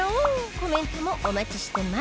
コメントもお待ちしてます